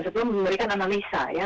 sebelum memberikan analisa